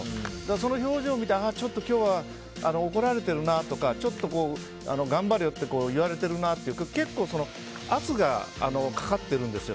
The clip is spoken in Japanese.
その表情を見てちょっと今日は怒られてるなとかちょっと、頑張れよって言われてるなとか結構、圧がかかってるんですよ